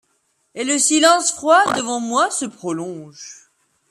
Et le silence froid devant moi se prolonge.